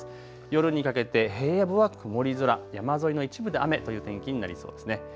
夜にかけて平野部は曇り空、山沿いの一部で雨という天気になりそうです。